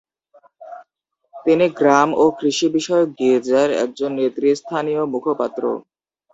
তিনি গ্রাম ও কৃষি বিষয়ক গির্জার একজন নেতৃস্থানীয় মুখপাত্র।